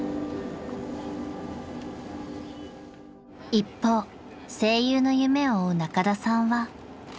［一方声優の夢を追う仲田さんは］